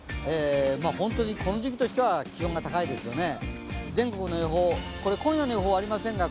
本当にこの時期としては気温が高いですよね。